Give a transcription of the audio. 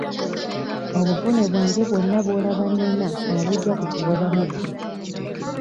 Obuvune bwange bwonna bw'olaba nnina nabuggya ku kugoba mubbi.